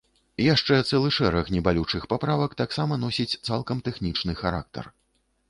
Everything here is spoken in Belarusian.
Яшчэ цэлы шэраг небалючых паправак таксама носіць цалкам тэхнічны характар.